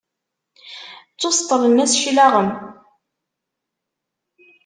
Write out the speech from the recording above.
Ttuseṭṭlen-as cclaɣem.